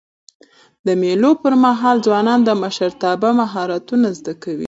د مېلو پر مهال ځوانان د مشرتابه مهارتونه زده کوي.